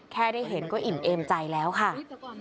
แค่ได้เห็นก็อิ่มเอมใจแล้วค่ะ